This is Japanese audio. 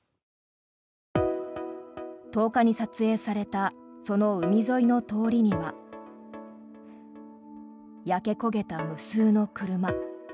１０日に撮影されたその海沿いの通りには焼け焦げた無数の車。